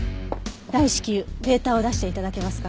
大至急データを出して頂けますか？